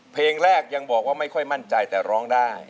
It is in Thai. เพลงแรกยังบอกว่าไม่ค่อยมั่นใจแต่ร้องได้